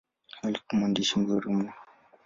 Alikuwa mwandishi mzuri mno.